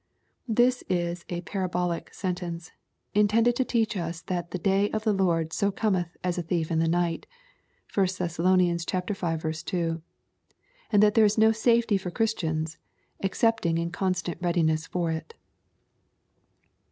'] This is a parabolic sentence, intended to teach us that the " day of the Lord so cometh as a thief in the night ;" (1 Thess. v. 2.) and that there is no safety for Christians, excepting in constant readiness for it.